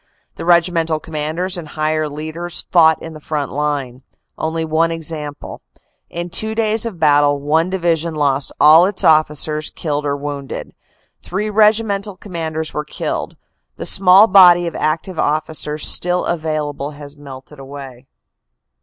The regimental commanders and higher leaders fought in the front line. Only one example: In two days of battle, one division lost all its officers, killed or wound ed. Three regimental commanders were killed. The small body of active officers still available has melted away.